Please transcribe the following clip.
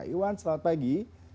iwan selamat pagi